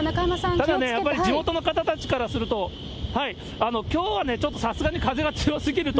ただ、やっぱり、地元の方たちからすると、きょうはちょっとさすがに風が強すぎると。